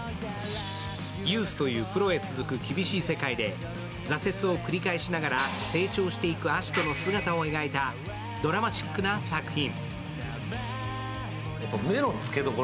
ユースというプロへ続く厳しい世界で、挫折を繰り返しながら成長していく葦人の姿を描いたドラマチックな作品。